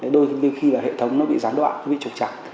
đôi khi là hệ thống nó bị gián đoạn nó bị trục chặt